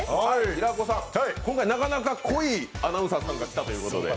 平子さん、今回なかなか濃いアナウンサーさんが来たとか。